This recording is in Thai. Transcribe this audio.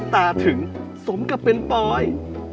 ตาถึงสมกับเป็นปอย